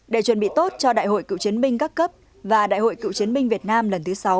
để chuẩn bị tốt cho đại hội cựu chiến binh các cấp và đại hội cựu chiến binh việt nam lần thứ sáu